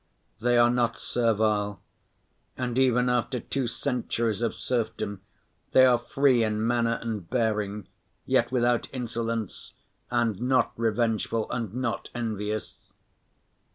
They are not servile, and even after two centuries of serfdom they are free in manner and bearing, yet without insolence, and not revengeful and not envious.